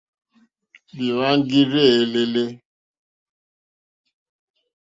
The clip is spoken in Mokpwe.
Lìhváŋgìrzèlèlè.